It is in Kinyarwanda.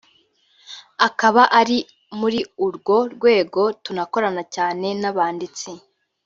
akaba ari muri urwo rwego tunakorana cyane n’abanditsi